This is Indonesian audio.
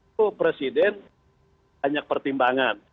itu presiden banyak pertimbangan